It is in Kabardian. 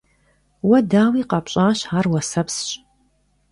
Уэ, дауи, къэпщӀащ — ар уэсэпсщ.